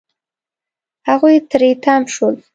هغوی تری تم شول.